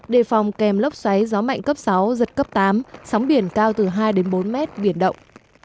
đề phòng kèm lốc xoáy gió mạnh cấp sáu giật cấp tám sóng biển cao từ hai đến bốn mét biển động